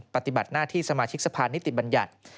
ปฏิบัติหน้าที่สมาชิกสะพานนิติบัญญัติ